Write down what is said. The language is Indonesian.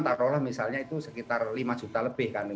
taruhlah misalnya itu sekitar lima juta lebih kan